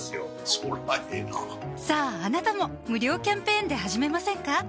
そりゃええなさぁあなたも無料キャンペーンで始めませんか？